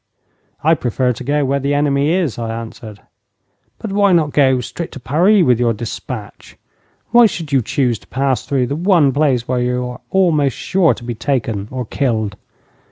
'I prefer to go where the enemy is,' I answered. 'But why not go straight to Paris with your despatch? Why should you choose to pass through the one place where you are almost sure to be taken or killed?'